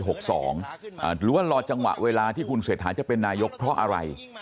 หรือว่ารอจังหวะเวลาที่คุณเศรษฐาจะเป็นนายกเพราะอะไร